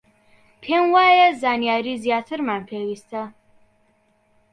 پێم وایە زانیاریی زیاترمان پێویستە.